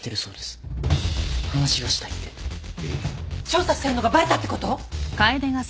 調査してるのがバレたってこと！？